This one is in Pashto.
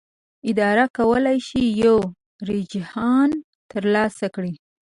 اداره کولی شي یو رجحان ترلاسه کړي.